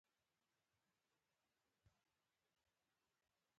بوتل د کثافاتو یوه مهمه برخه ده.